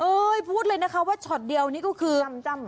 พูดเลยนะคะว่าช็อตเดียวนี่ก็คือ